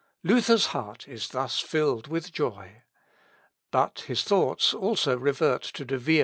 _" Luther's heart is thus filled with joy. But his thoughts also revert to De Vio.